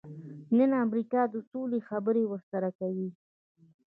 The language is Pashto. نن امریکا د سولې خبرې ورسره کوي.